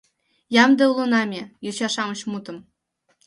Ямде улына ме, Йоча-шамыч мутым